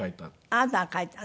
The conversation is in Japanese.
あなたが描いたの？